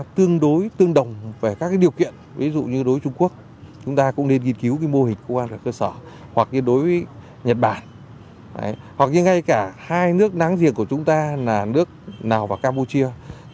tương đối tương đồng về các điều kiện ví dụ như đối với trung quốc chúng ta cũng nên nghiên cứu mô hình công an cơ sở hoặc như đối với nhật bản hoặc như ngay cả hai nước nắng riêng của chúng ta là nước nào và campuchia